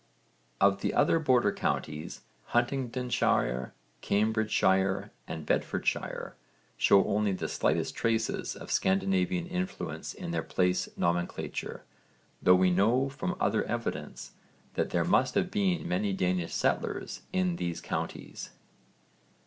Of the other border counties Huntingdonshire, Cambridgeshire and Bedfordshire show only the slightest traces of Scandinavian influence in their place nomenclature, though we know from other evidence that there must have been many Danish settlers in these counties.